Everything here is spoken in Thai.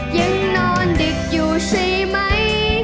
ยังนอนดึกอยู่ใช่ไหม